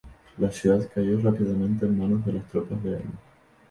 La ciudad cayó rápidamente en manos de las tropas leales.